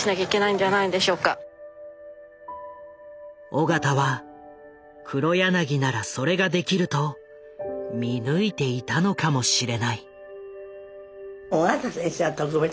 緒方は黒柳ならそれができると見抜いていたのかもしれない。